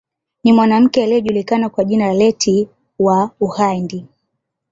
Ni mwanamke aliyejulikana kwa jina la Leti wa Ughandi